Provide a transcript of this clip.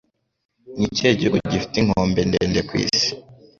Ni ikihe gihugu gifite inkombe ndende ku isi?